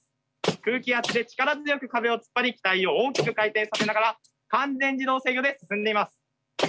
空気圧で力強く壁を突っ張り機体を大きく回転させながら完全自動制御で進んでいます。